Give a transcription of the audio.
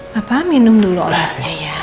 papa minum dulu olahraga ya